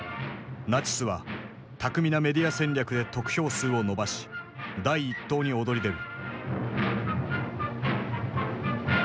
ナチスは巧みなメディア戦略で得票数を伸ばし第一党に躍り出る。